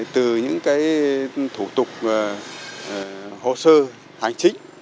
từ những thủ tục hồ sơ hành chính